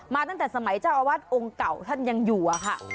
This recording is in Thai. ตั้งแต่สมัยเจ้าอาวาสองค์เก่าท่านยังอยู่อะค่ะ